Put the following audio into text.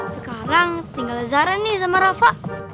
sekarang tinggal lezaran nih sama rafa